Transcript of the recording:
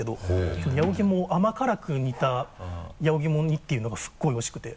そのやおぎもを甘辛く煮た「やおぎも煮」っていうのがすごいおいしくて。